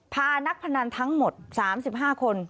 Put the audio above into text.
พานักพนันทั้งหมด๓๕คน